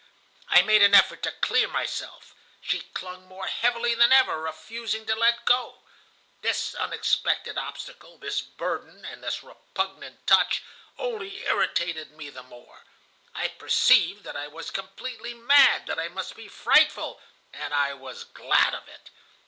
"I made an effort to clear myself. She clung more heavily than ever, refusing to let go. This unexpected obstacle, this burden, and this repugnant touch only irritated me the more. I perceived that I was completely mad, that I must be frightful, and I was glad of it.